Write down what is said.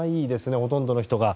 ほとんどの人が。